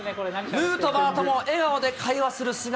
ヌートバーとも笑顔で会話する姿。